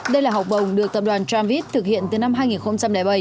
đây là học bổng được tập đoàn tramvit thực hiện từ năm hai nghìn bảy